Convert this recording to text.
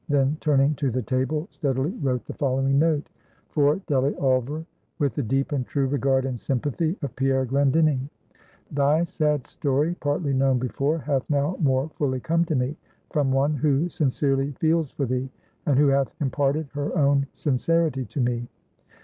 Then turning to the table, steadily wrote the following note: "For Delly Ulver: with the deep and true regard and sympathy of Pierre Glendinning. "Thy sad story partly known before hath now more fully come to me, from one who sincerely feels for thee, and who hath imparted her own sincerity to me.